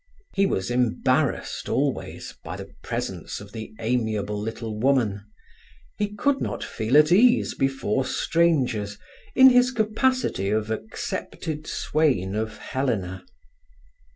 He was embarrassed always by the presence of the amiable little woman; he could not feel at ease before strangers, in his capacity of accepted swain of Helena.